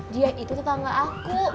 dia itu tetangga aku